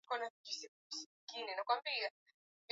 hili lilikuwa likishika nafasi ya elfu hamsini